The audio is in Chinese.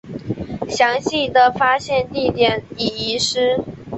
详细的发现地点已遗失。